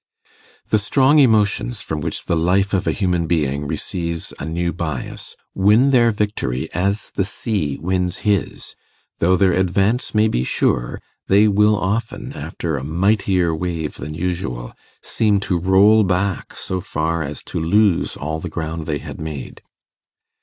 The strong emotions from which the life of a human being receives a new bias, win their victory as the sea wins his: though their advance may be sure, they will often, after a mightier wave than usual, seem to roll back so far as to lose all the ground they had made.